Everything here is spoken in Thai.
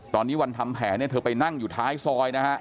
ตอนนี้วันทำแผนเนี่ยเธอไปนั่งอยู่ท้ายซอยนะฮะ